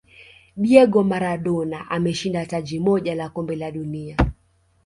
diego maradona ameshinda taji moja la kombe la dunia